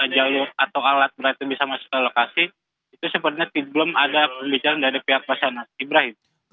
jalur atau alat berat itu bisa masuk ke lokasi itu sepertinya belum ada pembicaraan dari pihak basarnas ibrahim